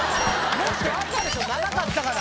もっとあったでしょ長かったから。